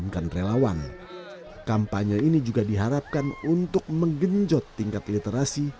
kampanye ini juga diharapkan untuk menggenjot tingkat literasi